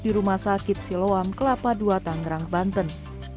di rumah sakit siloam kelapa ii tangerang banten